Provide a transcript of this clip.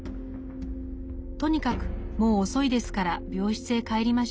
「とにかくもう遅いですから病室へ帰りましょう」。